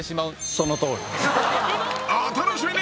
お楽しみに！